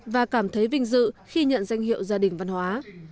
và cảm thấy vinh dự khi nhận danh hiệu gia đình văn hóa